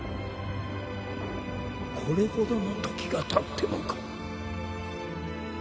これほどの時がたってもか？